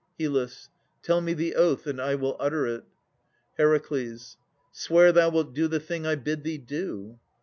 HYL. Tell me the oath, and I will utter it. HER. Swear thou wilt do the thing I bid thee do.